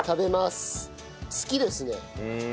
好きですね。